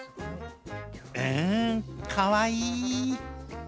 うーん、かわいい。